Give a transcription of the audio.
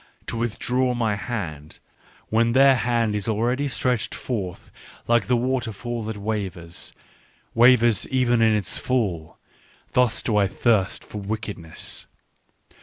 "To withdraw my hand when their hand is ready stretched forth like the waterfall that wavers, wavers even in its fall: — thus do I thirst for wickedness.